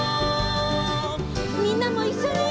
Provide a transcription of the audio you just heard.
みんなもいっしょに！